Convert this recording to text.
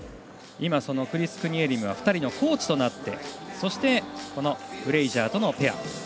今、クリス・クニエリムは２人のコーチとなってそして、フレイジャーとのペア。